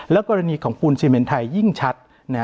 และกรณีของปูนเซเมนไทยยิ่งชัด